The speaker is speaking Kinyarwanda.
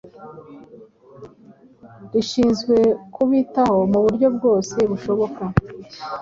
rishinzwe kubitaho muburyo bwose bushoboka